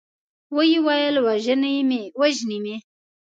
ويې ويل: وژني مې؟